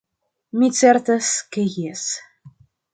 Mi certas ke jes.